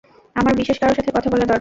আমার বিশেষ কারো সাথে কথা বলা দরকার।